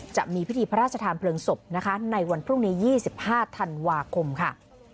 จะมีพิธีพระราชทานเพลิงศพนะคะในวันพรุ่งนี้๒๕ธันวาคมค่ะ